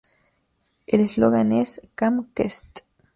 El eslogan es: "Camp Quest.